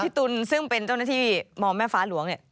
ตุลซึ่งเป็นเจ้าหน้าที่มแม่ฟ้าหลวงเนี่ย